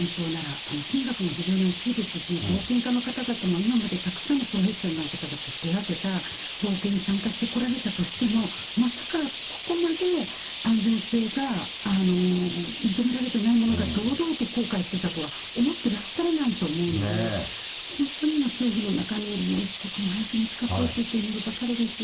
金額も非常に大きいですし、冒険家の方々も今までたくさんのプロフェッショナルの方が手がけた冒険に参加してこられたとしても、まさかここまで安全性が認められてないものが堂々とこうかいしてたとは思ってらっしゃらないと思うんで、本当に今、恐怖の中にいる、一刻も早く見つかってほしいと祈るばかりです。